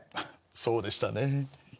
そうでしたね。